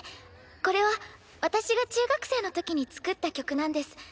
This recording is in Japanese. これは私が中学生のときに作った曲なんです。